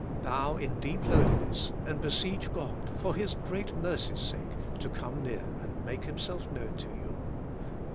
Bow in deep lowliness, and beseech God, for His great mercy's sake, to come near and make Himself known to you.